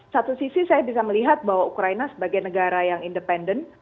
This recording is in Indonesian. satu sisi saya bisa melihat bahwa ukraina sebagai negara yang independen